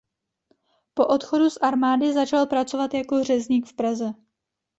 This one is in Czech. Po odchodu z armády začal pracovat jako řezník v Praze.